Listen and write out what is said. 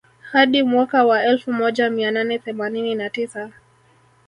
Hadi mwaka wa elfu moja mia nane themanini na tisa